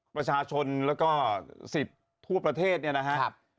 ประชาชนและก็ศิษย์ทั่วประเทศเนี่ยนะฮะ